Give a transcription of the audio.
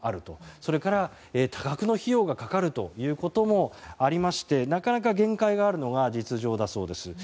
それから、多額の費用が掛かるということもありまして、なかなか限界があるのが実情だそうです。